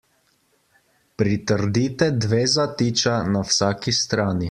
Pritrdite dve zatiča na vsaki strani.